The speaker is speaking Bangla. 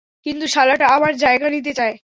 কিন্তু শালাটা আমার জায়গা নিতে চায়।